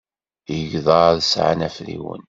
Igḍaḍ sɛan afriwen.